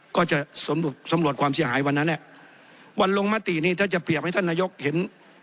ก็จะสำรวจความเสียหายวันนั้นวันลงมตินี่ถ้าจะเปรียบให้ท่านนายกเห็น